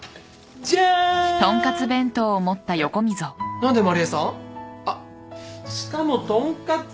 何で麻理恵さん？あっしかもとんかつ！